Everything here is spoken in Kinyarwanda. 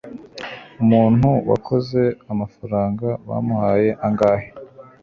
umuntu wakoze amafaranga bamuhaye angahe